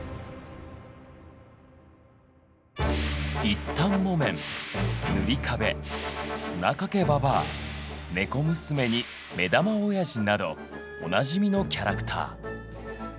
一反もめんぬりかべ砂かけばばあねこ娘に目玉おやじなどおなじみのキャラクター。